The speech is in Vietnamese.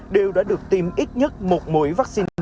đều đã được tiêm ít nhất một mũi vaccine